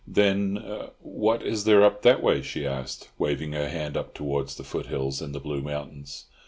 "Then, what is there up that way?" she asked, waving her hand up towards the foothills and the blue mountains.